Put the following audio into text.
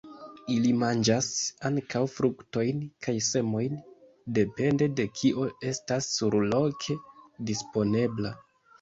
Ili manĝas ankaŭ fruktojn kaj semojn, depende de kio estas surloke disponebla.